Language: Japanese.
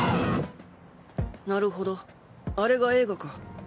なるほどあれが映画か。